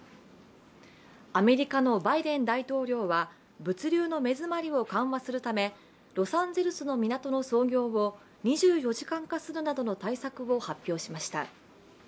アメリカのバイデン大統領は物流の目詰まりを緩和するためロサンゼルスの港の操業を２４時間化するなどの対策を発表しました。